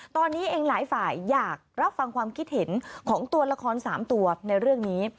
ตอนนี้เองหลายฝ่ายอยากรับฟังความคิดเห็นของตัวละคร๓ตัวในเรื่องนี้